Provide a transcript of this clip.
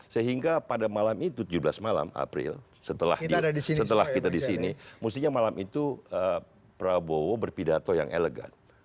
sehingga pada malam itu tujuh belas malam april setelah kita di sini mestinya malam itu prabowo berpidato yang elegan